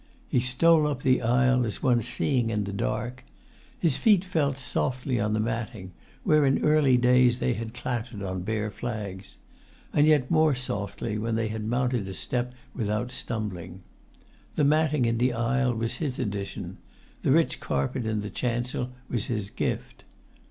He stole up the aisle as one seeing in the dark. His feet fell softly on the matting, where in early days they had clattered on bare flags, and yet more softly when they had mounted a step without stumbling. The matting in the aisle was his addition, the rich carpet in the chancel was his gift.